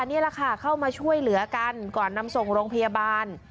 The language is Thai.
นี่แหละค่ะเข้ามาช่วยเหลือกันก่อนนำส่งโรงพยาบาล